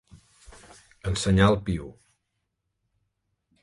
Ensenyar el piu.